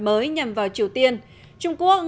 mới nhằm vào triều tiên trung quốc